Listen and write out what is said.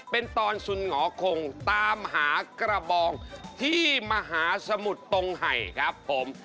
เป็นตอนสุนหงอคงตามหากระบองที่มหาสมุทรตรงไห่ครับผม